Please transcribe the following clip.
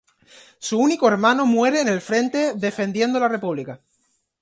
Su único hermano muere en el frente defendiendo la República.